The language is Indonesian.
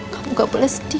kamu gak boleh sedih